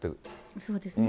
そうですね。